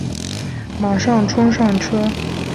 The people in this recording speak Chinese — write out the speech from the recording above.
马上冲上车